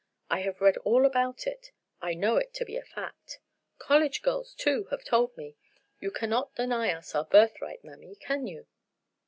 I have read all about it; I know it to be a fact. College girls, too, have told me. You cannot deny us our birthright, mammy, can you?"